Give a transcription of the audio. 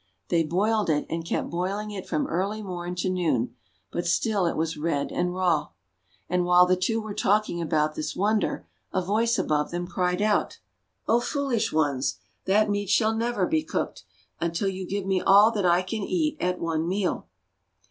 They boiled it, and kept boiling it from early morn to noon, but still it was red and raw. And while the two were talking about this wonder, a voice above them cried out: — "O foolish ones! That meat shall never be cooked, until you give me all that I can eat at one meal."